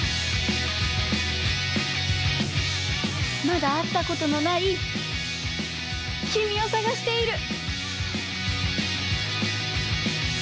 まだあったことのないきみをさがしている。